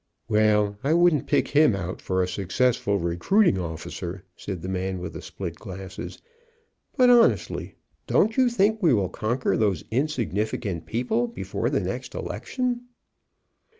""\Yell, I wouldn't pick him out for a successful recruiting officer," said the man with the split glasses. "But, honestly, don't you think we will conquer those insignificant people before the next election?"